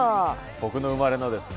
僕の生まれのですね